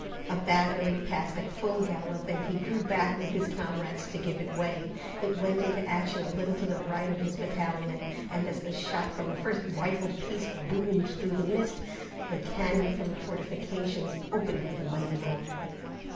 A battery passed at full gallop, and he drew back with his comrades to give it way. It went into action a little to the right of his battalion, and as the shot from the first rifled piece boomed through the mist, the cannon from the fortifications opened with a mighty roar.